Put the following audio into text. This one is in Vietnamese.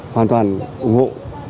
hoàn toàn ủng hộ